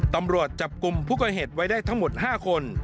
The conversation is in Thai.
ตำรวจจับกลุ่มผู้ก่อเหตุไว้ได้ทั้งหมด๕คน